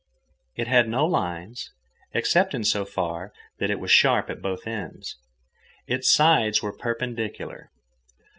It had no lines, except in so far that it was sharp at both ends. Its sides were perpendicular.